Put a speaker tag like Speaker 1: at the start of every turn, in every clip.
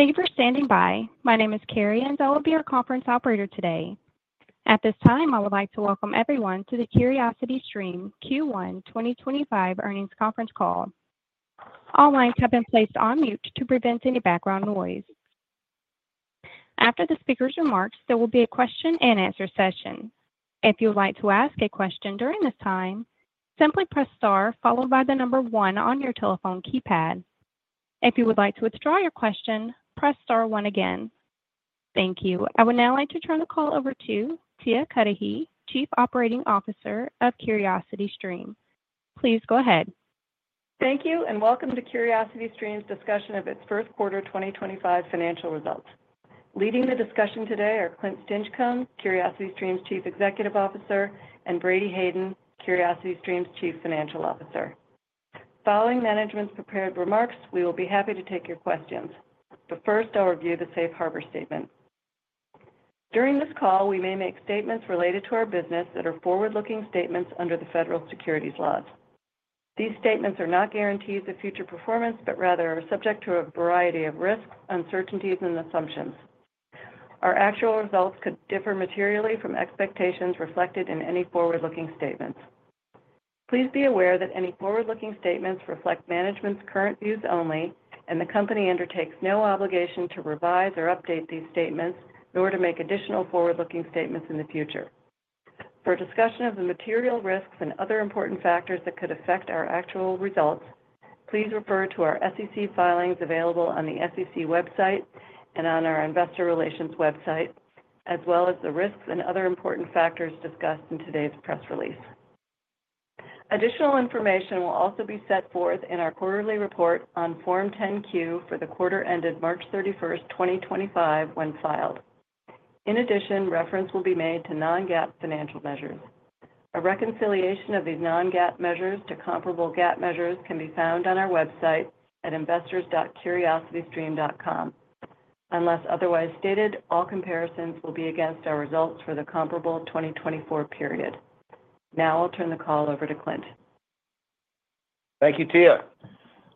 Speaker 1: Thank you for standing by. My name is Carrie, and I will be your conference operator today. At this time, I would like to welcome everyone to the CuriosityStream Q1 2025 earnings conference call. All lines have been placed on mute to prevent any background noise. After the speaker's remarks, there will be a question-and-answer session. If you would like to ask a question during this time, simply press star followed by the number one on your telephone keypad. If you would like to withdraw your question, press star one again. Thank you. I would now like to turn the call over to Tia Cudahy, Chief Operating Officer of CuriosityStream. Please go ahead.
Speaker 2: Thank you, and welcome to CuriosityStream's discussion of its first quarter 2025 financial results. Leading the discussion today are Clint Stinchcomb, CuriosityStream's Chief Executive Officer, and Brady Hayden, CuriosityStream's Chief Financial Officer. Following management's prepared remarks, we will be happy to take your questions. First, I'll review the Safe Harbor Statement. During this call, we may make statements related to our business that are forward-looking statements under the federal securities laws. These statements are not guarantees of future performance, but rather are subject to a variety of risks, uncertainties, and assumptions. Our actual results could differ materially from expectations reflected in any forward-looking statements. Please be aware that any forward-looking statements reflect management's current views only, and the company undertakes no obligation to revise or update these statements, nor to make additional forward-looking statements in the future. For discussion of the material risks and other important factors that could affect our actual results, please refer to our SEC filings available on the SEC website and on our investor relations website, as well as the risks and other important factors discussed in today's press release. Additional information will also be set forth in our quarterly report on Form 10-Q for the quarter ended March 31, 2025, when filed. In addition, reference will be made to non-GAAP financial measures. A reconciliation of these non-GAAP measures to comparable GAAP measures can be found on our website at investors.curiositystream.com. Unless otherwise stated, all comparisons will be against our results for the comparable 2024 period. Now I'll turn the call over to Clint.
Speaker 3: Thank you, Tia.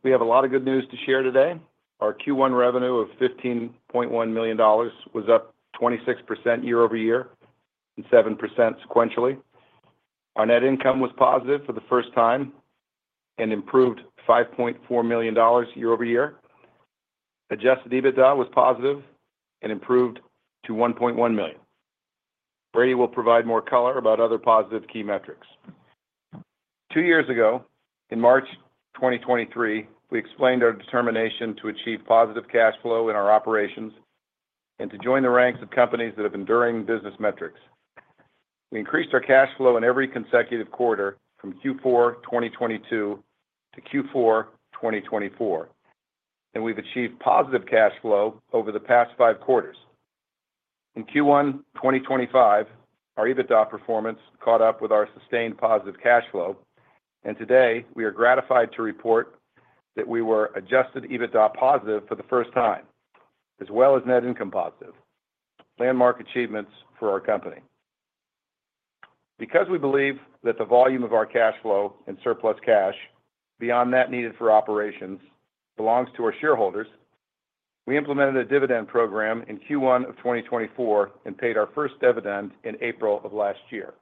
Speaker 3: We have a lot of good news to share today. Our Q1 revenue of $15.1 million was up 26% year over year and 7% sequentially. Our net income was positive for the first time and improved $5.4 million year over year. Adjusted EBITDA was positive and improved to $1.1 million. Brady will provide more color about other positive key metrics. Two years ago, in March 2023, we explained our determination to achieve positive cash flow in our operations and to join the ranks of companies that have enduring business metrics. We increased our cash flow in every consecutive quarter from Q4 2022 to Q4 2024, and we've achieved positive cash flow over the past five quarters. In Q1 2025, our EBITDA performance caught up with our sustained positive cash flow, and today we are gratified to report that we were adjusted EBITDA positive for the first time, as well as net income positive. Landmark achievements for our company. Because we believe that the volume of our cash flow and surplus cash beyond that needed for operations belongs to our shareholders, we implemented a dividend program in Q1 of 2024 and paid our first dividend in April of last year.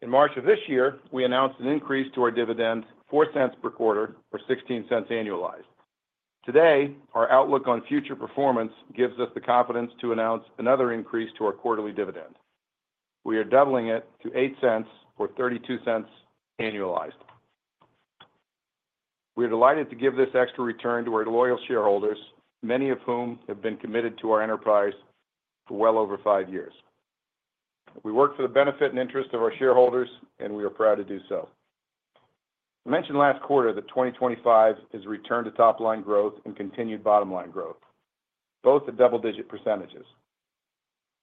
Speaker 3: In March of this year, we announced an increase to our dividend $0.04 per quarter or $0.16 annualized. Today, our outlook on future performance gives us the confidence to announce another increase to our quarterly dividend. We are doubling it to $0.08 or $0.32 annualized. We are delighted to give this extra return to our loyal shareholders, many of whom have been committed to our enterprise for well over five years. We work for the benefit and interest of our shareholders, and we are proud to do so. I mentioned last quarter that 2025 is a return to top-line growth and continued bottom-line growth, both at double-digit %.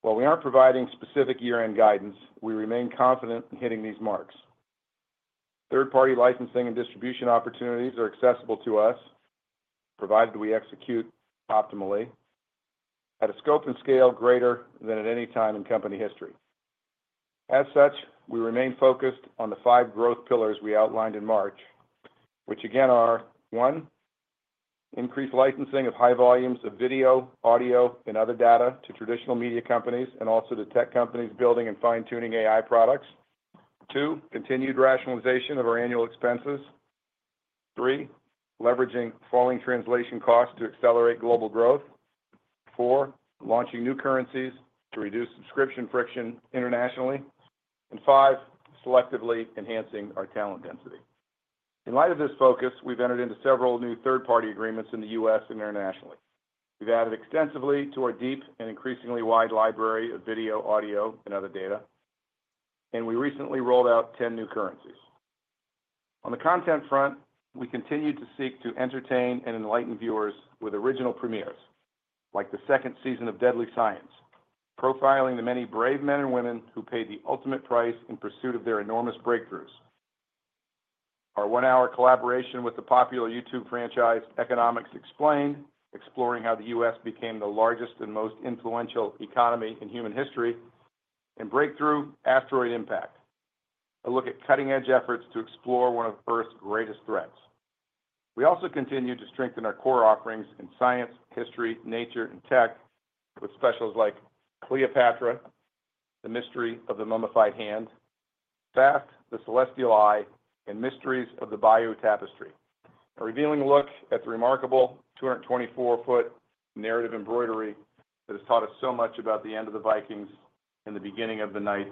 Speaker 3: While we aren't providing specific year-end guidance, we remain confident in hitting these marks. Third-party licensing and distribution opportunities are accessible to us, provided we execute optimally, at a scope and scale greater than at any time in company history. As such, we remain focused on the five growth pillars we outlined in March, which again are: one, increased licensing of high volumes of video, audio, and other data to traditional media companies and also to tech companies building and fine-tuning AI products; two, continued rationalization of our annual expenses; three, leveraging falling translation costs to accelerate global growth; four, launching new currencies to reduce subscription friction internationally; and five, selectively enhancing our talent density. In light of this focus, we've entered into several new third-party agreements in the U.S. and internationally. We've added extensively to our deep and increasingly wide library of video, audio, and other data, and we recently rolled out 10 new currencies. On the content front, we continue to seek to entertain and enlighten viewers with original premieres, like the second season of Deadly Science, profiling the many brave men and women who paid the ultimate price in pursuit of their enormous breakthroughs. Our one-hour collaboration with the popular YouTube franchise Economics Explained, exploring how the U.S. became the largest and most influential economy in human history, and Breakthrough Asteroid Impact, a look at cutting-edge efforts to explore one of Earth's greatest threats. We also continue to strengthen our core offerings in science, history, nature, and tech with specials like Cleopatra, The Mystery of the Mummified Hand, Fast: The Celestial Eye, and Mysteries of the Bayeux-Tapestry, a revealing look at the remarkable 224-foot narrative embroidery that has taught us so much about the end of the Vikings and the beginning of the Knights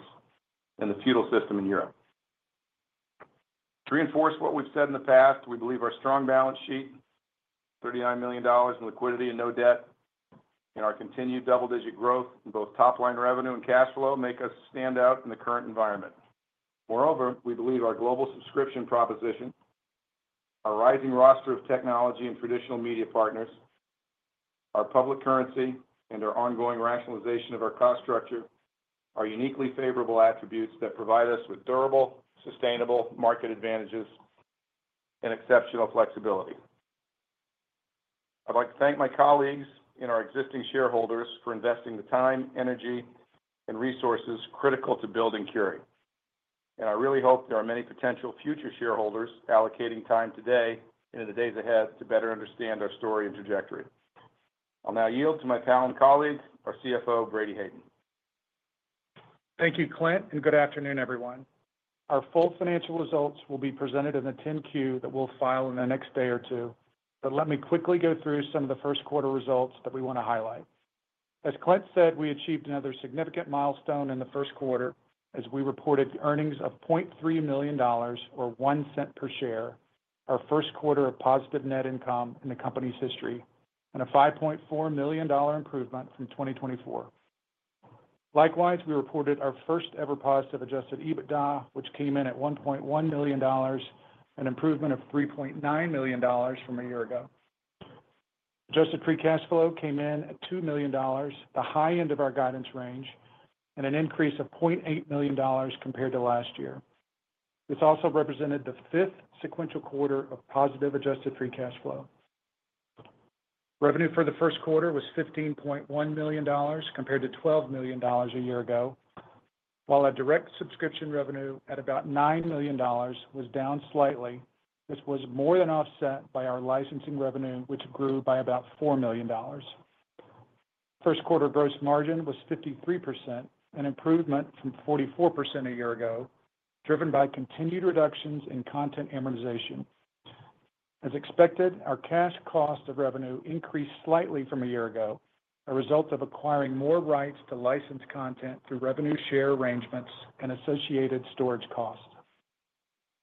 Speaker 3: and the feudal system in Europe. To reinforce what we've said in the past, we believe our strong balance sheet, $39 million in liquidity and no debt, and our continued double-digit growth in both top-line revenue and cash flow make us stand out in the current environment. Moreover, we believe our global subscription proposition, our rising roster of technology and traditional media partners, our public currency, and our ongoing rationalization of our cost structure are uniquely favorable attributes that provide us with durable, sustainable market advantages and exceptional flexibility. I would like to thank my colleagues and our existing shareholders for investing the time, energy, and resources critical to building CuriosityStream. I really hope there are many potential future shareholders allocating time today and in the days ahead to better understand our story and trajectory. I'll now yield to my pal and colleague, our CFO, Brady Hayden.
Speaker 4: Thank you, Clint, and good afternoon, everyone. Our full financial results will be presented in the 10Q that we'll file in the next day or two. Let me quickly go through some of the first quarter results that we want to highlight. As Clint said, we achieved another significant milestone in the first quarter as we reported earnings of $0.3 million, or one cent per share, our first quarter of positive net income in the company's history, and a $5.4 million improvement from 2024. Likewise, we reported our first-ever positive adjusted EBITDA, which came in at $1.1 million, an improvement of $3.9 million from a year ago. Adjusted free cash flow came in at $2 million, the high end of our guidance range, and an increase of $0.8 million compared to last year. This also represented the fifth sequential quarter of positive adjusted free cash flow. Revenue for the first quarter was $15.1 million compared to $12 million a year ago, while our direct subscription revenue at about $9 million was down slightly. This was more than offset by our licensing revenue, which grew by about $4 million. First quarter gross margin was 53%, an improvement from 44% a year ago, driven by continued reductions in content amortization. As expected, our cash cost of revenue increased slightly from a year ago as a result of acquiring more rights to licensed content through revenue share arrangements and associated storage costs.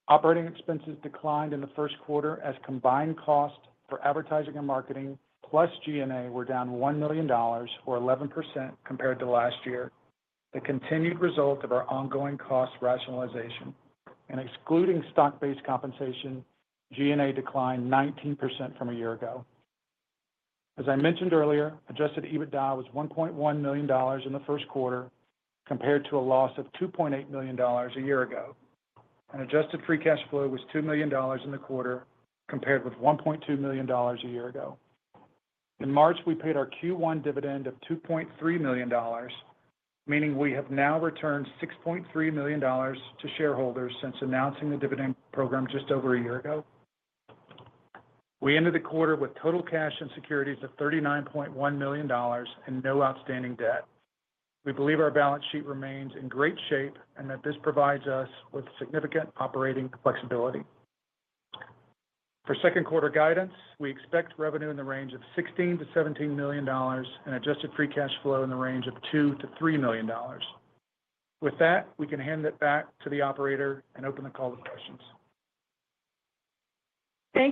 Speaker 4: Operating expenses declined in the first quarter as combined costs for advertising and marketing plus G&A were down $1 million, or 11%, compared to last year, the continued result of our ongoing cost rationalization. Excluding stock-based compensation, G&A declined 19% from a year ago. As I mentioned earlier, adjusted EBITDA was $1.1 million in the first quarter compared to a loss of $2.8 million a year ago. Adjusted free cash flow was $2 million in the quarter compared with $1.2 million a year ago. In March, we paid our Q1 dividend of $2.3 million, meaning we have now returned $6.3 million to shareholders since announcing the dividend program just over a year ago. We ended the quarter with total cash and securities of $39.1 million and no outstanding debt. We believe our balance sheet remains in great shape and that this provides us with significant operating flexibility. For second quarter guidance, we expect revenue in the range of $16-$17 million and adjusted free cash flow in the range of $2-$3 million. With that, we can hand it back to the operator and open the call to questions.
Speaker 1: At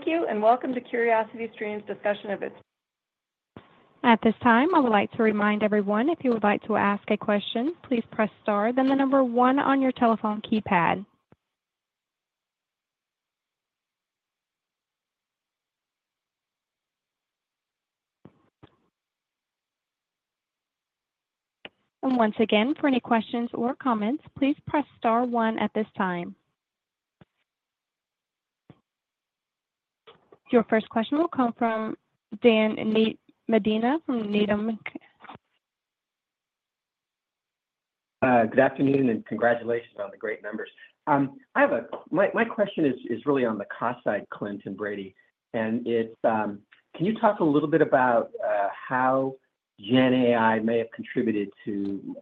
Speaker 1: this time, I would like to remind everyone, if you would like to ask a question, please press star, then the number one on your telephone keypad. Once again, for any questions or comments, please press star one at this time. Your first question will come from Dan Medina from Needham.
Speaker 5: Good afternoon and congratulations on the great numbers. My question is really on the cost side, Clint and Brady. Can you talk a little bit about how GenAI may have contributed to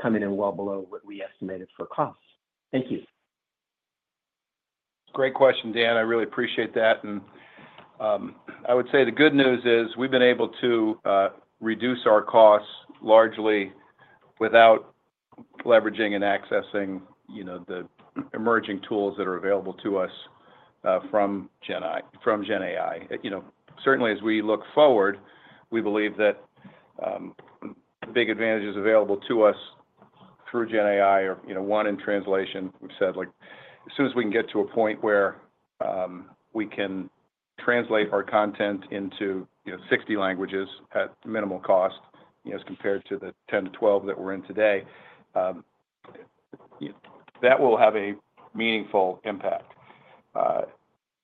Speaker 5: coming in well below what we estimated for costs? Thank you.
Speaker 3: Great question, Dan. I really appreciate that. I would say the good news is we've been able to reduce our costs largely without leveraging and accessing the emerging tools that are available to us from GenAI. Certainly, as we look forward, we believe that the big advantages available to us through GenAI are, one, in translation. We've said as soon as we can get to a point where we can translate our content into 60 languages at minimal cost as compared to the 10-12 that we're in today, that will have a meaningful impact.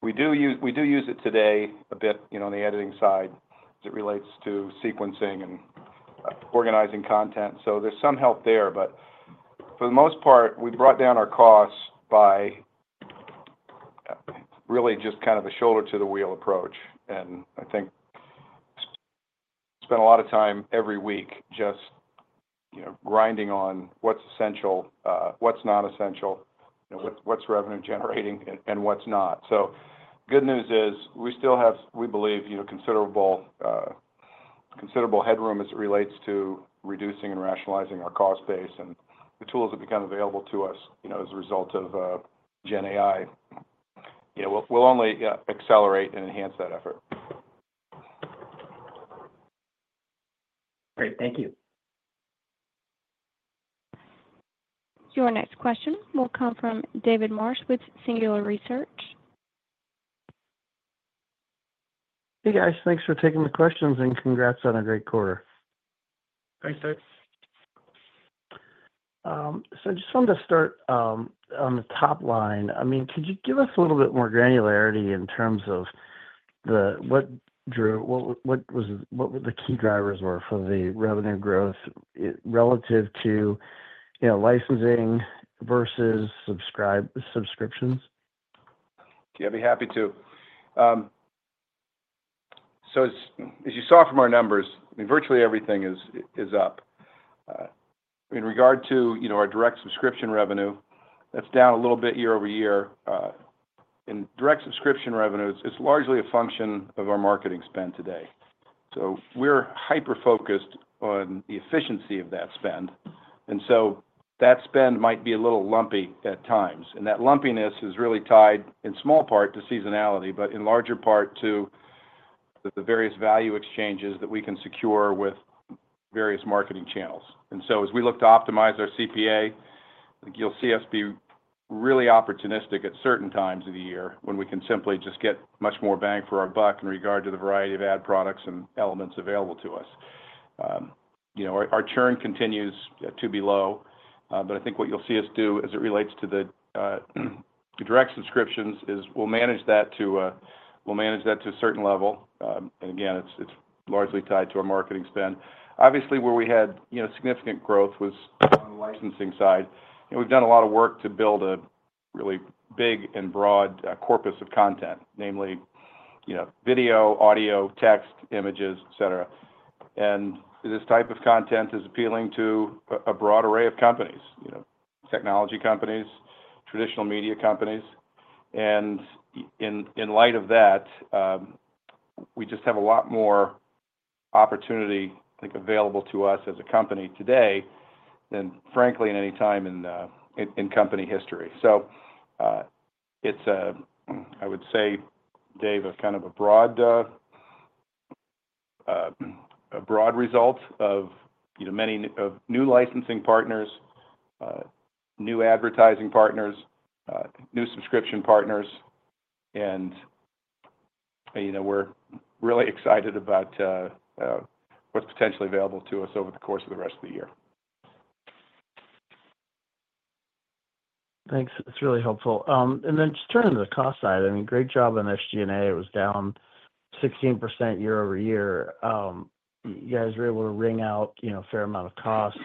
Speaker 3: We do use it today a bit on the editing side as it relates to sequencing and organizing content. There's some help there. For the most part, we brought down our costs by really just kind of a shoulder-to-the-wheel approach. I think we spend a lot of time every week just grinding on what's essential, what's not essential, what's revenue-generating, and what's not. The good news is we still have, we believe, considerable headroom as it relates to reducing and rationalizing our cost base, and the tools that become available to us as a result of GenAI will only accelerate and enhance that effort.
Speaker 5: Great. Thank you.
Speaker 1: Your next question will come from David Marsh with Singular Research.
Speaker 6: Hey, guys. Thanks for taking the questions and congrats on a great quarter.
Speaker 4: Thanks, Dave.
Speaker 6: I just wanted to start on the top line. I mean, could you give us a little bit more granularity in terms of what were the key drivers for the revenue growth relative to licensing versus subscriptions?
Speaker 3: Yeah, I'd be happy to. As you saw from our numbers, virtually everything is up. In regard to our direct subscription revenue, that's down a little bit year over year. Direct subscription revenue is largely a function of our marketing spend today. We're hyper-focused on the efficiency of that spend. That spend might be a little lumpy at times. That lumpiness is really tied, in small part, to seasonality, but in larger part to the various value exchanges that we can secure with various marketing channels. As we look to optimize our CPA, I think you'll see us be really opportunistic at certain times of the year when we can simply just get much more bang for our buck in regard to the variety of ad products and elements available to us. Our churn continues to be low. I think what you'll see us do as it relates to the direct subscriptions is we'll manage that to a certain level. Again, it's largely tied to our marketing spend. Obviously, where we had significant growth was on the licensing side. We've done a lot of work to build a really big and broad corpus of content, namely video, audio, text, images, etc. This type of content is appealing to a broad array of companies: technology companies, traditional media companies. In light of that, we just have a lot more opportunity, I think, available to us as a company today than, frankly, at any time in company history. It's, I would say, Dave, a kind of a broad result of many new licensing partners, new advertising partners, new subscription partners. We're really excited about what's potentially available to us over the course of the rest of the year.
Speaker 6: Thanks. That's really helpful. I mean, just turning to the cost side, great job on SG&A. It was down 16% year over year. You guys were able to wring out a fair amount of costs.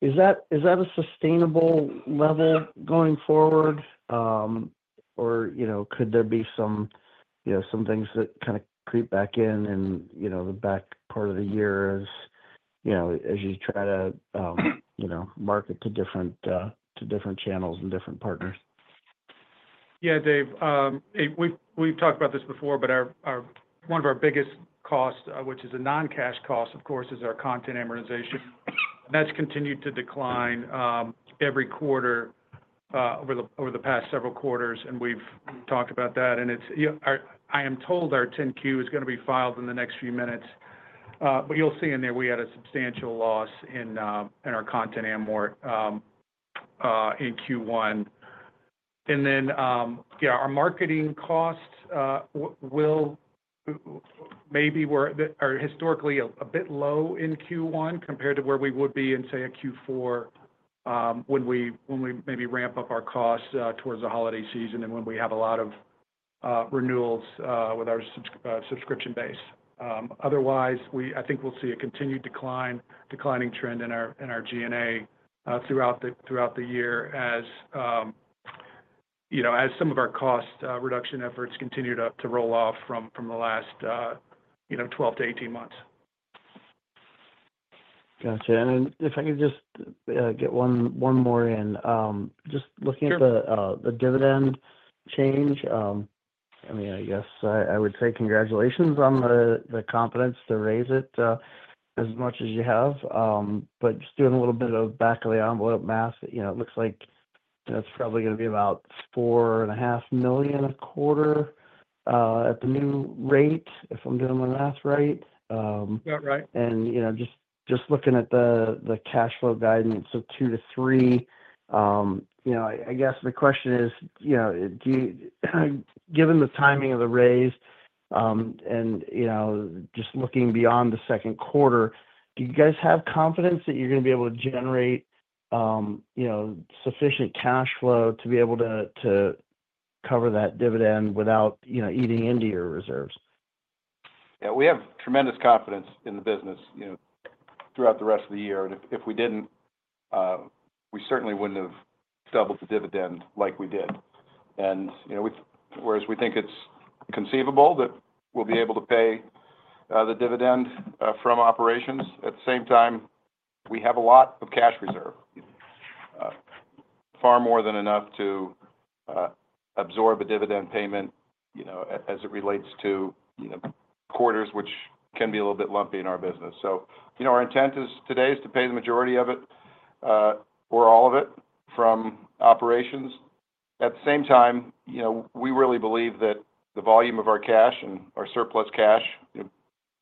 Speaker 6: Is that a sustainable level going forward? Could there be some things that kind of creep back in in the back part of the year as you try to market to different channels and different partners?
Speaker 4: Yeah, Dave. We've talked about this before, but one of our biggest costs, which is a non-cash cost, of course, is our content amortization. That's continued to decline every quarter over the past several quarters. We've talked about that. I am told our 10Q is going to be filed in the next few minutes. You'll see in there we had a substantial loss in our content amort in Q1. Our marketing costs will maybe be historically a bit low in Q1 compared to where we would be in, say, a Q4 when we maybe ramp up our costs towards the holiday season and when we have a lot of renewals with our subscription base. Otherwise, I think we'll see a continued declining trend in our G&A throughout the year as some of our cost reduction efforts continue to roll off from the last 12 to 18 months.
Speaker 6: Gotcha. If I could just get one more in. Just looking at the dividend change, I mean, I guess I would say congratulations on the confidence to raise it as much as you have. Just doing a little bit of back-of-the-envelope math, it looks like it's probably going to be about $4.5 million a quarter at the new rate, if I'm doing my math right.
Speaker 4: That's about right.
Speaker 6: Just looking at the cash flow guidance of two to three, I guess the question is, given the timing of the raise and just looking beyond the second quarter, do you guys have confidence that you're going to be able to generate sufficient cash flow to be able to cover that dividend without eating into your reserves?
Speaker 3: Yeah. We have tremendous confidence in the business throughout the rest of the year. If we did not, we certainly would not have doubled the dividend like we did. Whereas we think it is conceivable that we will be able to pay the dividend from operations, at the same time, we have a lot of cash reserve, far more than enough to absorb a dividend payment as it relates to quarters, which can be a little bit lumpy in our business. Our intent today is to pay the majority of it or all of it from operations. At the same time, we really believe that the volume of our cash and our surplus cash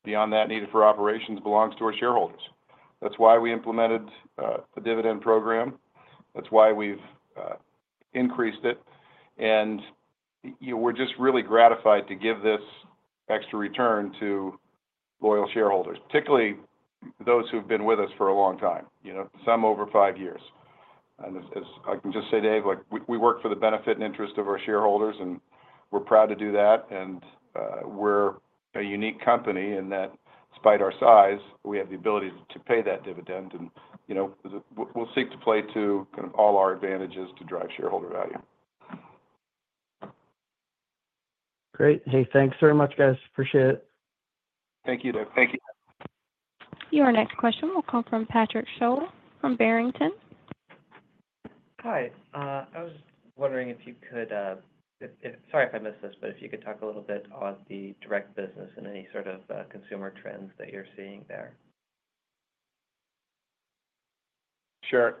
Speaker 3: beyond that needed for operations belongs to our shareholders. That is why we implemented the dividend program. That is why we have increased it. We're just really gratified to give this extra return to loyal shareholders, particularly those who've been with us for a long time, some over five years. I can just say, Dave, we work for the benefit and interest of our shareholders, and we're proud to do that. We're a unique company in that, despite our size, we have the ability to pay that dividend. We'll seek to play to kind of all our advantages to drive shareholder value.
Speaker 6: Great. Hey, thanks very much, guys. Appreciate it.
Speaker 3: Thank you, David. Thank you.
Speaker 1: Your next question will come from Patrick Sholl from Barrington Research.
Speaker 7: Hi. I was wondering if you could—sorry if I missed this, but if you could talk a little bit on the direct business and any sort of consumer trends that you're seeing there.
Speaker 3: Sure.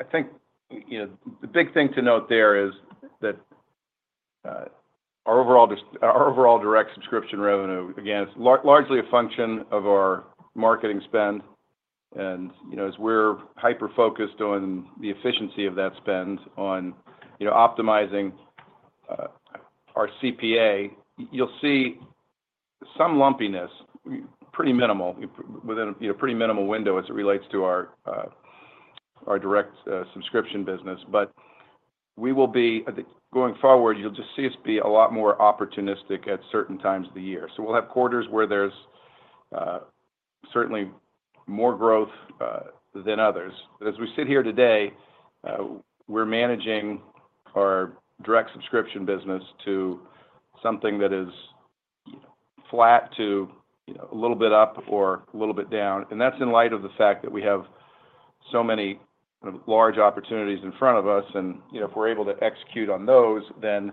Speaker 3: I think the big thing to note there is that our overall direct subscription revenue, again, is largely a function of our marketing spend. As we're hyper-focused on the efficiency of that spend, on optimizing our CPA, you'll see some lumpiness, pretty minimal, within a pretty minimal window as it relates to our direct subscription business. We will be going forward, you'll just see us be a lot more opportunistic at certain times of the year. We will have quarters where there's certainly more growth than others. As we sit here today, we're managing our direct subscription business to something that is flat to a little bit up or a little bit down. That's in light of the fact that we have so many large opportunities in front of us. If we're able to execute on those, then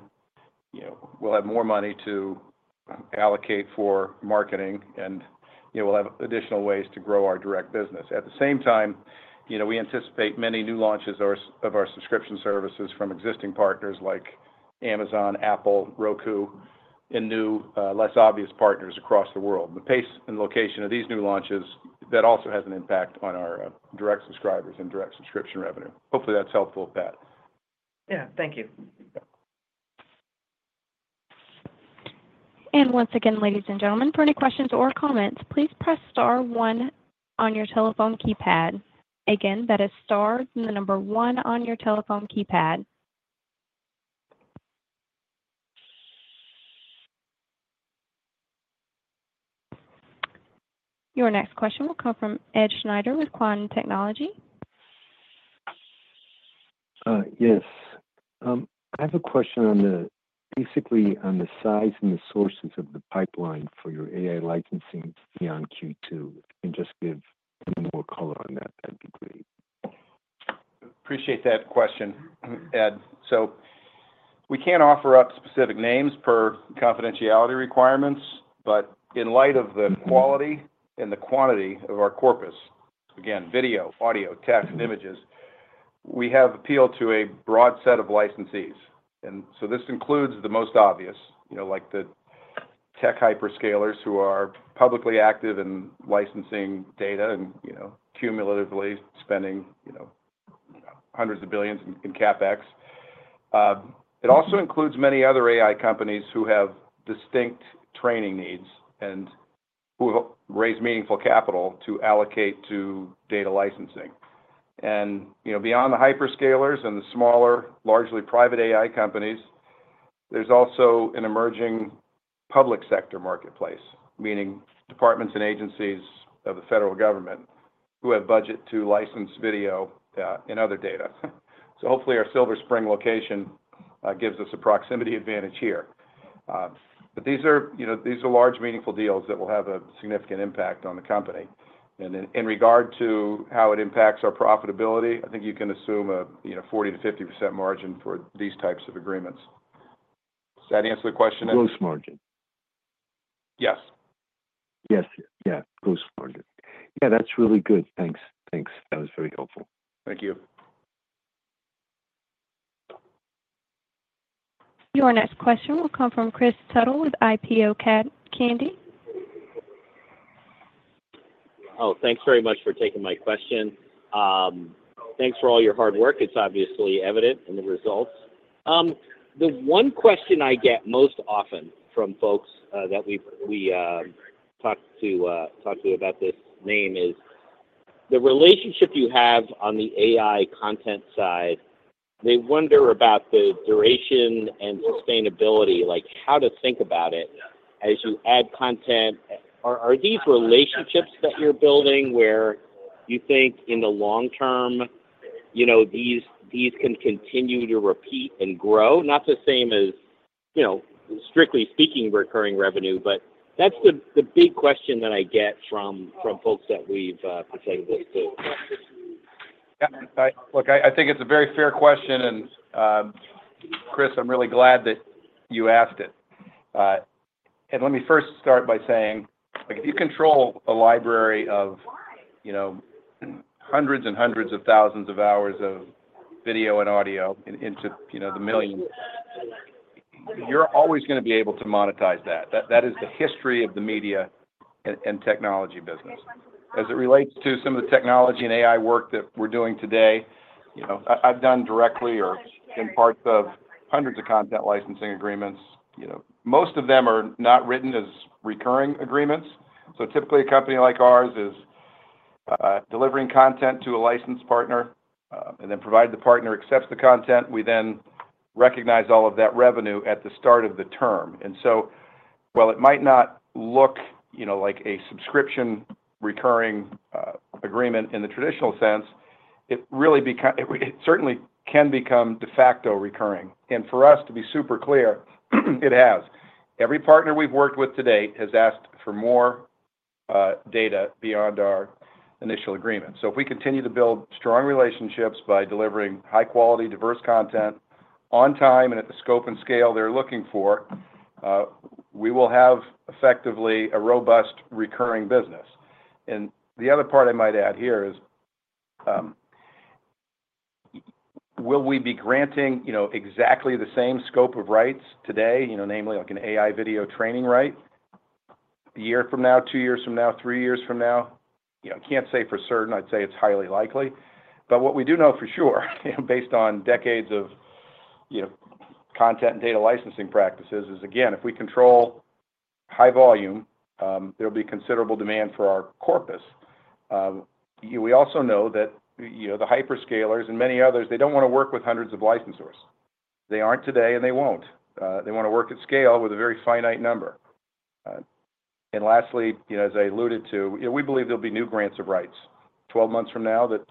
Speaker 3: we'll have more money to allocate for marketing, and we'll have additional ways to grow our direct business. At the same time, we anticipate many new launches of our subscription services from existing partners like Amazon, Apple, Roku, and new, less obvious partners across the world. The pace and location of these new launches, that also has an impact on our direct subscribers and direct subscription revenue. Hopefully, that's helpful with that.
Speaker 7: Yeah. Thank you.
Speaker 1: Once again, ladies and gentlemen, for any questions or comments, please press star one on your telephone keypad. Again, that is star and the number one on your telephone keypad. Your next question will come from E Schneider with Quantum Technology.
Speaker 8: Yes. I have a question basically on the size and the sources of the pipeline for your AI content licensing beyond Q2. If you can just give more color on that, that'd be great.
Speaker 3: Appreciate that question, Ed. We can't offer up specific names per confidentiality requirements. In light of the quality and the quantity of our corpus, again, video, audio, text, and images, we have appeal to a broad set of licensees. This includes the most obvious, like the tech hyperscalers who are publicly active in licensing data and cumulatively spending hundreds of billions in CapEx. It also includes many other AI companies who have distinct training needs and who have raised meaningful capital to allocate to data licensing. Beyond the hyperscalers and the smaller, largely private AI companies, there's also an emerging public sector marketplace, meaning departments and agencies of the federal government who have budget to license video and other data. Hopefully, our Silver Spring location gives us a proximity advantage here. These are large, meaningful deals that will have a significant impact on the company. In regard to how it impacts our profitability, I think you can assume a 40%-50% margin for these types of agreements. Does that answer the question?
Speaker 8: Gross margin.
Speaker 3: Yes.
Speaker 8: Yes. Yeah. Gross margin. Yeah, that's really good. Thanks. That was very helpful.
Speaker 3: Thank you.
Speaker 1: Your next question will come from Kris Tuttle with IPO Candy.
Speaker 9: Oh, thanks very much for taking my question. Thanks for all your hard work. It's obviously evident in the results. The one question I get most often from folks that we talk to about this name is the relationship you have on the AI content side. They wonder about the duration and sustainability, like how to think about it as you add content. Are these relationships that you're building where you think in the long term, these can continue to repeat and grow? Not the same as, strictly speaking, recurring revenue. That's the big question that I get from folks that we've presented this to.
Speaker 3: Yeah. Look, I think it's a very fair question. Kris, I'm really glad that you asked it. Let me first start by saying, if you control a library of hundreds and hundreds of thousands of hours of video and audio into the millions, you're always going to be able to monetize that. That is the history of the media and technology business. As it relates to some of the technology and AI work that we're doing today, I've done directly or been part of hundreds of content licensing agreements. Most of them are not written as recurring agreements. Typically, a company like ours is delivering content to a licensed partner. Provided the partner accepts the content, we then recognize all of that revenue at the start of the term. While it might not look like a subscription recurring agreement in the traditional sense, it really certainly can become de facto recurring. For us to be super clear, it has. Every partner we've worked with today has asked for more data beyond our initial agreement. If we continue to build strong relationships by delivering high-quality, diverse content on time and at the scope and scale they're looking for, we will have effectively a robust recurring business. The other part I might add here is, will we be granting exactly the same scope of rights today, namely like an AI video training right a year from now, two years from now, three years from now? I can't say for certain. I'd say it's highly likely. What we do know for sure, based on decades of content and data licensing practices, is again, if we control high volume, there will be considerable demand for our corpus. We also know that the hyperscalers and many others, they do not want to work with hundreds of licensors. They are not today, and they will not. They want to work at scale with a very finite number. Lastly, as I alluded to, we believe there will be new grants of rights 12 months from now that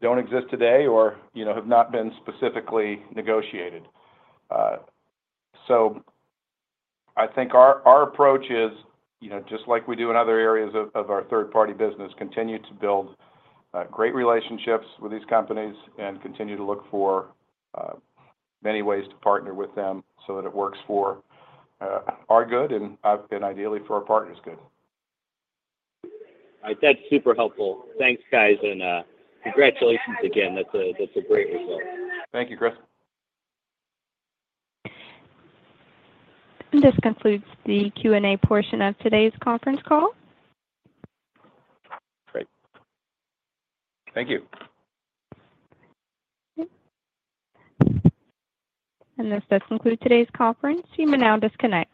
Speaker 3: do not exist today or have not been specifically negotiated. I think our approach is, just like we do in other areas of our third-party business, continue to build great relationships with these companies and continue to look for many ways to partner with them so that it works for our good and ideally for our partner's good.
Speaker 9: All right. That's super helpful. Thanks, guys. And congratulations again. That's a great result.
Speaker 3: Thank you, Kris.
Speaker 1: This concludes the Q&A portion of today's conference call.
Speaker 3: Great. Thank you.
Speaker 1: This does conclude today's conference. You may now disconnect.